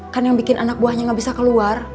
kan yang bikin anak buahnya gak bisa keluar